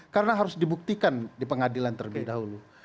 karena harus dibuktikan di pengadilan terlebih dahulu